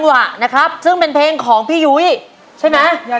บทพรัมมีแด่ยังไง